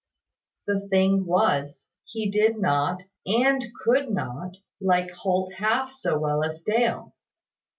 The thing was, he did not, and could not, like Holt half so well as Dale.